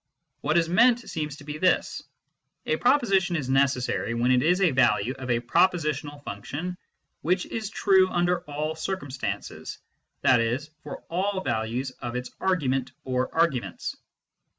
What is meant seems to be this : "A pro position is necessary when it is a value of a propositional function which is true under all circumstances, i.e. for all values of its argument or arguments."